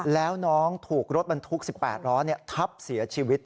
แล้วน้องถูกรถบรรทุก๑๘ล้อทับเสียชีวิต